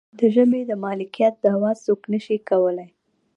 د ژبې د مالکیت دعوه څوک نشي کولی.